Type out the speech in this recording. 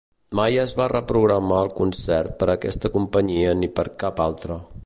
Mai es va reprogramar el concert per aquesta companyia ni per cap altra.